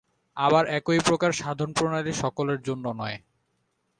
আবার একই প্রকার সাধনপ্রণালী সকলের জন্য নয়।